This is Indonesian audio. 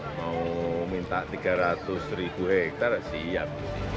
mau minta tiga ratus ribu hektare siap